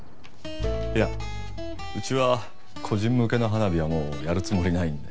いやうちは個人向けの花火はもうやるつもりないんで。